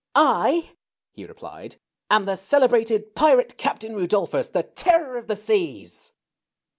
I," he replied, am the celebrated Pirate Captain Rudolphus, the Terror of the Seas."